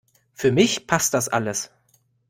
Für mich passt das alles.